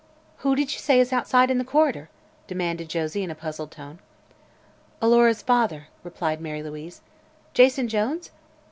"Who did you say is outside in the corridor?" demanded Josie in a puzzled tone. "Alora's father," replied Mary Louise. "Jason Jones?"